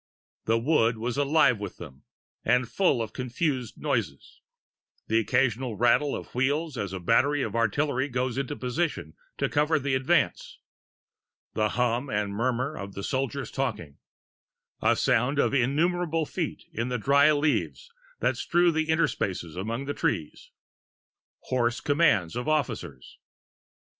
The wood is alive with them, and full of confused noises: the occasional rattle of wheels as a battery of artillery goes into position to cover the advance; the hum and murmur of the soldiers talking; a sound of innumerable feet in the dry leaves that strew the interspaces among the trees; hoarse commands of officers.